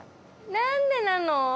何でなの？